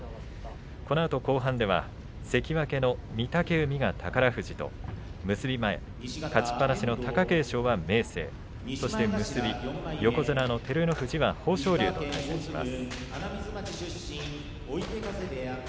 このあと後半では関脇の御嶽海が宝富士と結び前勝ちっぱなしの貴景勝が明生結び、横綱の照ノ富士が豊昇龍と対戦します。